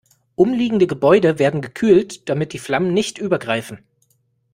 Umliegende Gebäude werden gekühlt, damit die Flammen nicht übergreifen.